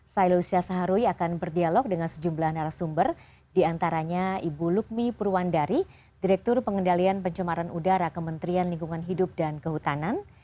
saya lucia saharuy akan berdialog dengan sejumlah narasumber diantaranya ibu lukmi purwandari direktur pengendalian pencemaran udara kementerian lingkungan hidup dan kehutanan